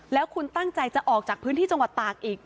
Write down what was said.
แล้วคุณตั้งใจจะออกจากพื้นที่จังหวัดตากอีก